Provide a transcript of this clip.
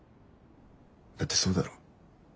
だってそうだろ。